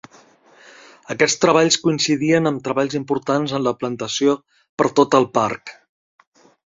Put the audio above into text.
Aquests treballs coincidien amb treballs importants en la plantació per tot el parc.